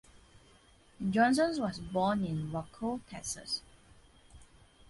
Johnson was born in Waco, Texas.